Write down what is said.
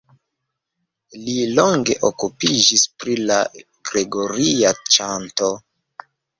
Li longe okupiĝis pri la gregoria ĉanto.